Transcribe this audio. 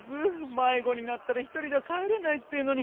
迷子になったら一人では帰れないっていうのに。